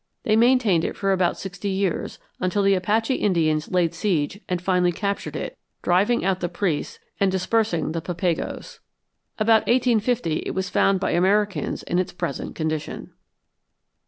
They maintained it for about sixty years, until the Apache Indians laid siege and finally captured it, driving out the priests and dispersing the Papagos. About 1850 it was found by Americans in its present condition.